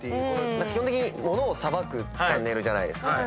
基本的に物をさばくチャンネルじゃないですか。